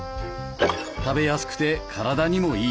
食べやすくて体にもいい。